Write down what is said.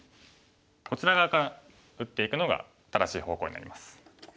こちら側から打っていくのが正しい方向になります。